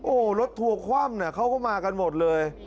โอ้โหรถทัวร์คว่ำเขาก็มากันหมดเลย